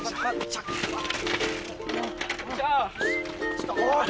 ちょっとおい。